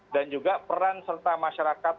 dan juga peran serta masyarakat